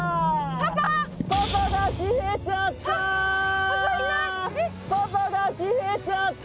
パパが消えちゃった！